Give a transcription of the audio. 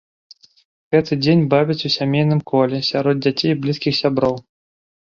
Гэты дзень бавяць у сямейным коле, сярод дзяцей і блізкіх сяброў.